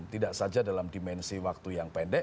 tidak saja dalam dimensi waktu yang pendek